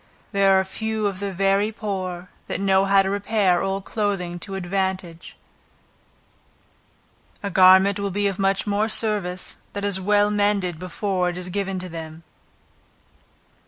There are few of the very poor, that know how to repair old clothing to advantage; a garment will be of much more service, that is well mended before it is given to them.